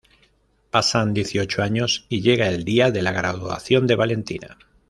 Pasan dieciocho años, y llega el día de la graduación de Valentina.